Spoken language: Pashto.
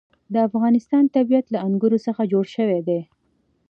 د افغانستان طبیعت له انګور څخه جوړ شوی دی.